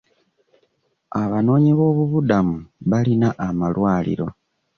Abanoonyi b'obubuddamu balina amalwaliro